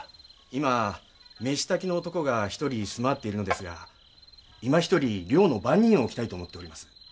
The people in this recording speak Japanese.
今飯炊きの男が一人住まっているのですがいま一人寮の番人を置きたいと思っております。